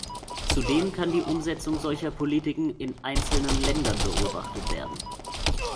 Zudem kann die Umsetzung solcher Politiken in einzelnen Ländern beobachtet werden.